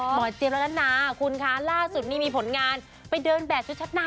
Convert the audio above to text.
หมอเจฟแล้วนะคุณคะล่าสุดนี้มีผลงานไปเดินแบบชุดชะไน